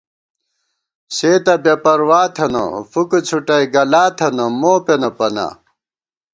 سے تہ بے پروا تھنہ فُک څھُٹَئی گلا تھنہ مو پېنہ پنا